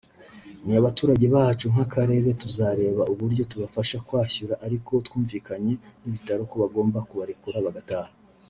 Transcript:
ni abaturage bacu nk’akarere tuzareba uburyo tubafasha kwshyura ariko twumvikanye n’ibitaro ko bagomba kubarekura bagataha